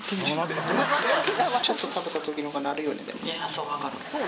そうわかる。